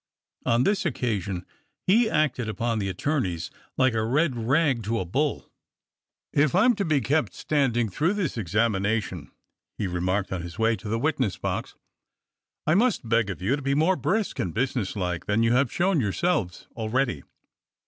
On this occasion he acted upon the attorneys like a red rag to a bull. "If I'm to bekept standing through this examination," he remarked on his way to the witness box, "I must beg of you to be more brisk and businesslike than you have shown yourselves already.